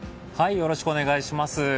よろしくお願いします。